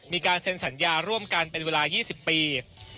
มีการเซ็นสัญญาร่วมกันเป็นเวลา๒๐ปี